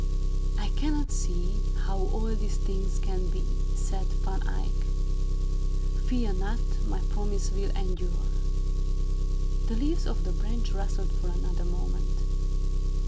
"I cannot see how all these things can be," said Van Eyck. "Fear not, my promise will endure." The leaves of the branch rustled for another moment.